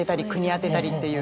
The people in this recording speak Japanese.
当てたりっていう。